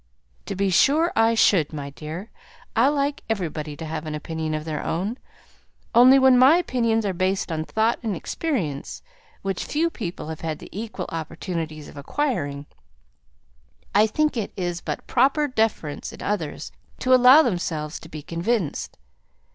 '" "To be sure I should, my dear. I like everybody to have an opinion of their own; only when my opinions are based on thought and experience, which few people have had equal opportunities of acquiring, I think it is but proper deference in others to allow themselves to be convinced.